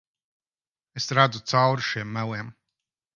Es redzu cauri šiem meliem.